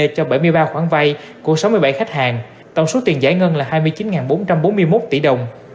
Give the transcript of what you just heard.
cho bảy mươi ba khoản vay của sáu mươi bảy khách hàng tổng số tiền giải ngân là hai mươi chín bốn trăm bốn mươi một tỷ đồng